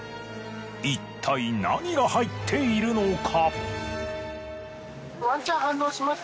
いったい何が入っているのか？